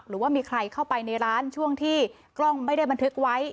หรือว่ามีใครเข้าไปในร้านช่วงที่กล้องไม่ได้บันทึกไว้